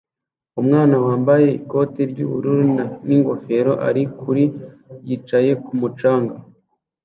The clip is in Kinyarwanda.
Umwana wambaye ikoti ry'ubururu n'ingofero ari kuri yicaye kumu canga